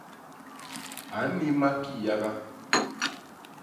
A nnima kiyaga.